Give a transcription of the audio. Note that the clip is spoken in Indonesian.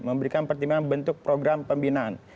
memberikan pertimbangan bentuk program pembinaan